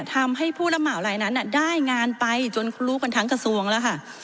ทำให้ผู้รับเหมารายนั้นได้งานไปจนรู้กันทั้งกระทรวงแล้วค่ะ